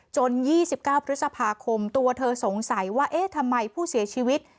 ๒๙พฤษภาคมตัวเธอสงสัยว่าเอ๊ะทำไมผู้เสียชีวิต